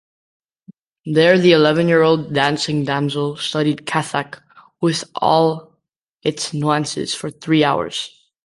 There the eleven-year-old dancing damsel studied kathak, with all its nuances, for three hours.